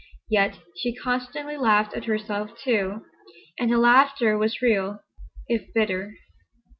Yet she constantly laughed at herself, too, and her laughter was real if bitter.